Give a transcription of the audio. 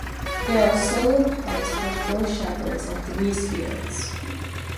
There are solo parts for four shepherds and three spirits.